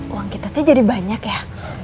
uang kita tuh jadi banyak ya